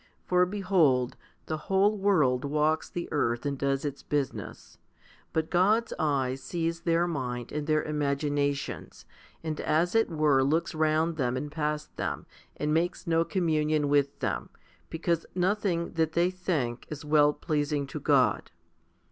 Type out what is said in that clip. For behold, the whole world walks the earth, and does its business. But God's eye sees their mind and their imaginations, and as it were looks round them and past them, and makes no communion with them, because 89 90 FIFTY SPIRITUAL HOMILIES nothing that they think is well pleasing to God.